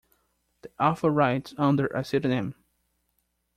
The author writes under a pseudonym.